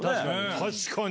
確かに！